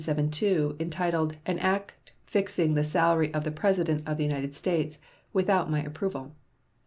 172, entitled "An act fixing the salary of the President of the United States," without my approval.